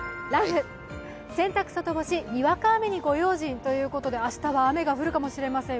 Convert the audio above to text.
洗濯外干し、にわか雨にご用心ということで明日は雨が降るかもしれません。